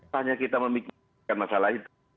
hanya kita memikirkan masalah itu